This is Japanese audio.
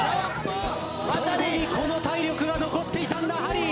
どこにこの体力が残っていたんだハリー。